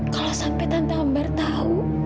kalau sampai tante amber tahu